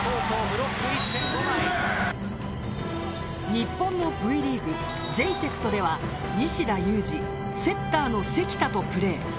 日本のＶリーグジェイテクトでは西田有志セッターの関田とプレー。